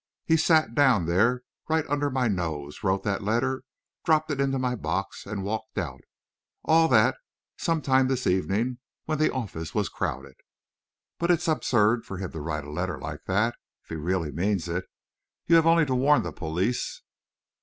He sat down there, right under my nose, wrote that letter, dropped it into my box, and walked out. And all that sometime this evening, when the office was crowded." "But it's absurd for him to write a letter like that, if he really means it. You have only to warn the police...."